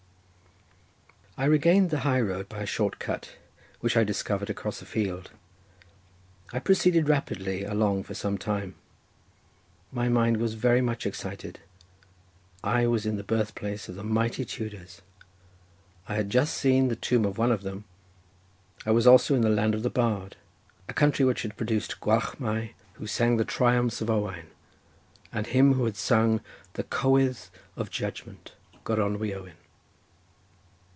I regained the high road by a short cut, which I discovered across a field. I proceeded rapidly along for some time. My mind was very much excited: I was in the birth place of the mighty Tudors—I had just seen the tomb of one of them; I was also in the land of the bard; a country which had produced Gwalchmai who sang the triumphs of Owain, and him who had sung the Cowydd of Judgment, Gronwy Owen.